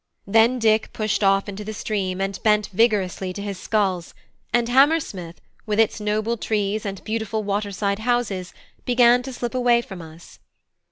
Then Dick pushed off into the stream, and bent vigorously to his sculls, and Hammersmith, with its noble trees and beautiful water side houses, began to slip away from us.